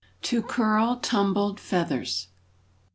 TO CURL TUMBLED FEATHERS.